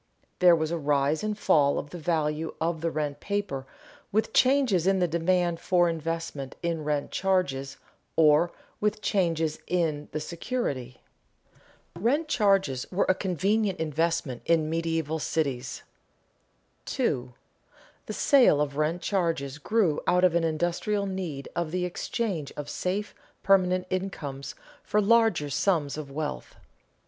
There was a rise and fall of the value of the rent paper with changes in the demand for investment in rent charges or with changes in the security. [Sidenote: Rent charges were a convenient investment in medieval cities] 2. _The sale of rent charges grew out of an industrial need of the exchange of safe permanent incomes for larger sums of wealth.